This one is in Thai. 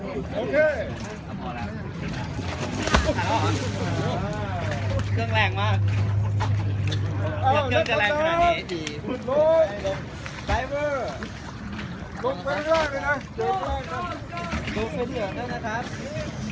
ต้องมาเดินตามนึงนะจะจากตามไป